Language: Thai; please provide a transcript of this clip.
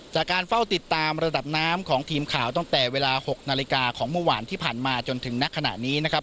จากการเฝ้าติดตามระดับน้ำของทีมข่าวตั้งแต่เวลา๖นาฬิกาของเมื่อวานที่ผ่านมาจนถึงนักขณะนี้นะครับ